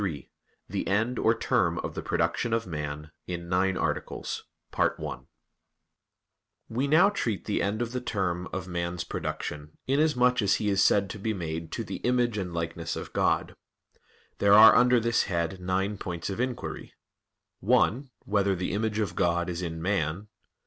_______________________ QUESTION 93 THE END OR TERM OF THE PRODUCTION OF MAN (In Nine Articles) We now treat of the end or term of man's production, inasmuch as he is said to be made "to the image and likeness of God." There are under this head nine points of inquiry: (1) Whether the image of God is in man?